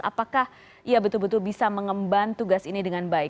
apakah ia betul betul bisa mengemban tugas ini dengan baik